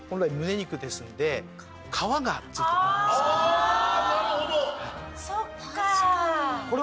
あなるほど！